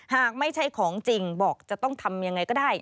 หากไม่ใช่ของจริงบอกจะต้องทำยังไงก็ได้